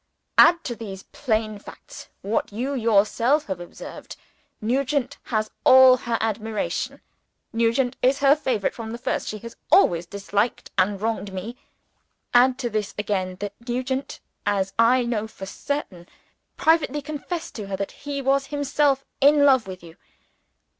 Add to these plain facts what you yourself have observed. Nugent has all her admiration; Nugent is her favorite: from the first, she has always disliked and wronged me. Add to this, again, that Nugent (as I know for certain) privately confessed to her that he was himself in love with you.